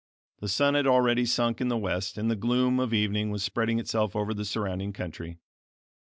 The sun had already sunk in the west and the gloom of evening was spreading itself over the surrounding country.